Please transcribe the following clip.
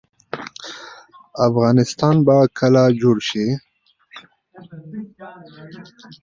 اضافي خبرې مه کوئ.